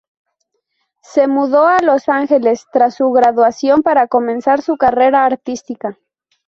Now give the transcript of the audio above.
Se mudó a Los Ángeles tras su graduación para comenzar su carrera artística.